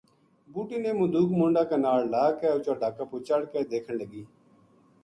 بُڈھی نے مدوک منڈھا کے ناڑ لا کے اُچا ڈھاکا پو چڑھ کے دیکھن لگی